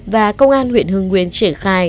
và công an huyện hương nguyên triển khai